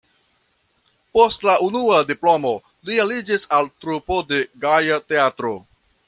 Post la unua diplomo li aliĝis al trupo de Gaja Teatro.